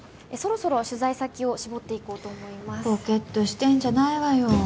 そろそろ取材先を絞っていこうと思いますボケッとしてんじゃないわよ